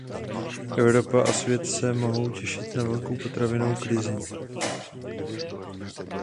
Evropa a svět se mohou těšit na velkou potravinovou krizi.